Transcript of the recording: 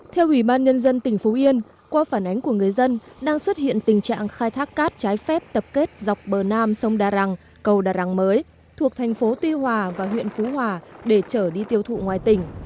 theo ủy ban nhân dân tỉnh phú yên qua phản ánh của người dân đang xuất hiện tình trạng khai thác cát trái phép tập kết dọc bờ nam sông đà răng cầu đà răng mới thuộc thành phố tuy hòa và huyện phú hòa để trở đi tiêu thụ ngoài tỉnh